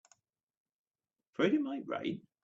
Afraid it might rain?